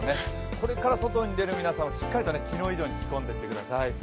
これから外に出る皆さんはしっかりと昨日以上に着込んでください。